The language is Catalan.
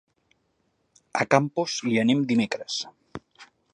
A Campos hi anem dimecres.